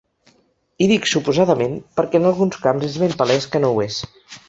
I dic ‘suposadament’, perquè en alguns camps és ben palès que no ho és.